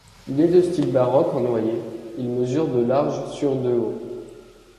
Il est de style baroque, en noyer il mesure de large sur de haut.